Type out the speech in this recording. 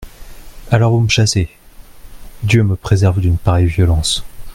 Alors vous me chassez ! Dieu me préserve d'une pareille violence.